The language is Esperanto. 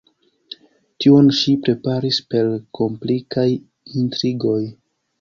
Tion ŝi preparis per komplikaj intrigoj.